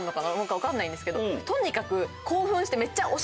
分かんないんですけどとにかく。